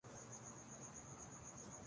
اتنی ہی جیت آسان ہو گی۔